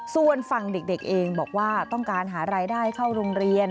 ส่วนฝั่งเด็กเองบอกว่าต้องการหารายได้เข้าโรงเรียน